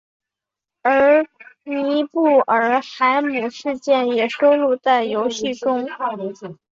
而尼布尔海姆事件也收录在游戏中。